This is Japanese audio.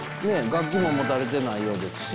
楽器も持たれてないようですし。